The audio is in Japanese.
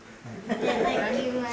いただきます。